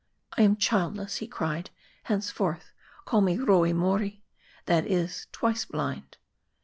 " I am childless," he cried ;" henceforth call me Hoi Mori," that is, Twice Blind.